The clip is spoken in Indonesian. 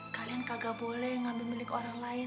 kalian kagak boleh ngambil milik orang lain